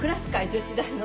女子大の。